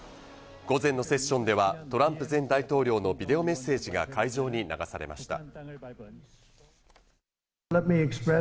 午前のセッションではトランプ前大統領のビデオメッセージが会場に流されました。